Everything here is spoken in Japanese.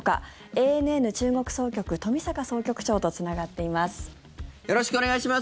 ＡＮＮ中国総局冨坂総局長とつながっています。